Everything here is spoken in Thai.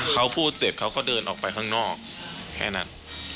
เขาพูดเสร็จเขาก็เดินออกไปข้างนอกแค่นั้น